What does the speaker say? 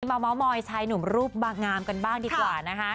มาเมาส์มอยชายหนุ่มรูปบางงามกันบ้างดีกว่านะคะ